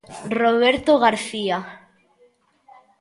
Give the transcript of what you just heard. Roberto García.